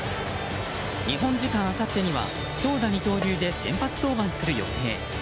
日本時間あさってには投打二刀流で先発登板する予定。